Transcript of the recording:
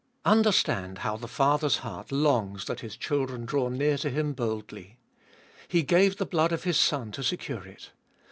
4. Understand how the Father's heart longs that His children draw near to Him boldly. He gave the blood of His Son to secure it.